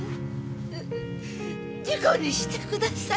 事故にしてください！